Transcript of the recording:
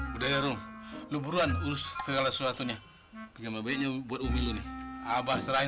dulu udah rum lubuan urus segala sesuatunya yang lebihnya buat umilu nih abah serahin